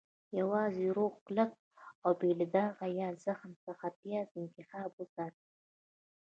- یوازې روغ، کلک، او بې له داغه یا زخم څخه پیاز انتخاب او وساتئ.